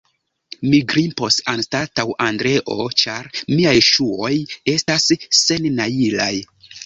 mi grimpos anstataŭ Andreo, ĉar miaj ŝuoj estas sennajlaj.